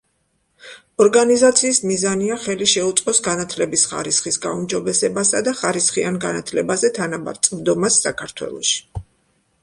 ორგანიზაციის მიზანია ხელი შეუწყოს განათლების ხარისხის გაუმჯობესებასა და ხარისხიან განათლებაზე თანაბარ წვდომას საქართველოში.